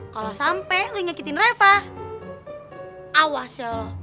kalau sampe lu nyakitin reva awas ya lu